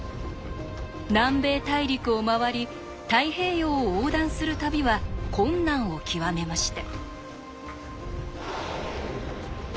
南米大陸を回り太平洋を横断する旅は困難を極めました。